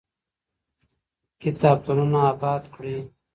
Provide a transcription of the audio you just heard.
کتابتونونه آباد کړئ.